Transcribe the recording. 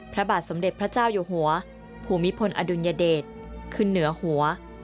พระบาทสมเด็จพระเจ้าอยู่หัวภูมิพลอดุลยเดชขึ้นเหนือหัว